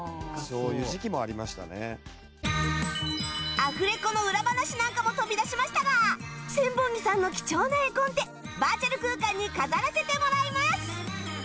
アフレコの裏話なんかも飛び出しましたが千本木さんの貴重な絵コンテバーチャル空間に飾らせてもらいます！